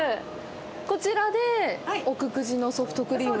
こちらで奥久慈のソフトクリーム。